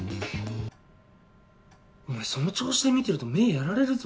お前その調子で見てると目やられるぞ。